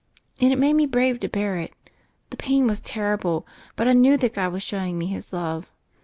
And it made me brave to bear it. The pain was terrible, but I knew that God was showing me His love.